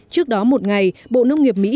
trước đó một ngày bộ nông nghiệp mỹ